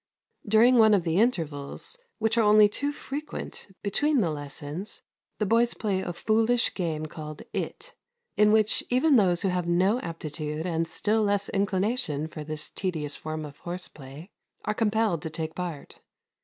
During one of the intervals, which are only too frequent, between the lessons, the boys play a foolish game called "It," in which even those who have no aptitude and still less inclination for this tedious form of horse play, are compelled to take part.